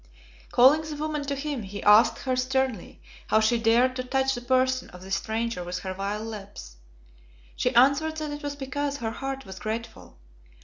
Calling the woman to him he asked her sternly how she dared to touch the person of this stranger with her vile lips. She answered that it was because her heart was grateful.